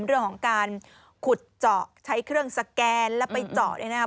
เรื่องของการขุดเจาะใช้เครื่องสแกนแล้วไปเจาะ